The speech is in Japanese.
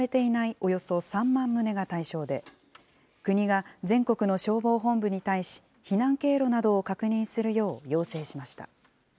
およそ３万棟が対象で、国が全国の消防本部に対し、避難経路などを確認するよう要請しました。